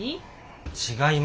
違います。